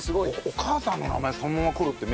お母さんの名前そのままくるって珍しい。